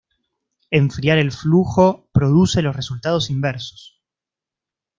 Enfriar el flujo produce los resultados inversos.